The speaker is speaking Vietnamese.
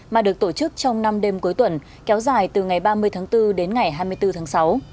mà được tổ chức trong năm đêm cuối tuần kéo dài từ ngày ba mươi tháng bốn đến ngày hai mươi bốn tháng sáu